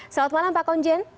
selamat malam pak komjen